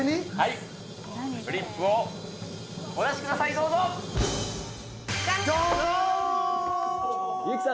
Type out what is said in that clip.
フリップをお出しください、じゃん！